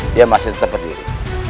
dia masih tetap berdiri